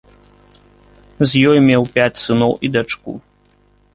З ёй меў пяць сыноў і дачку.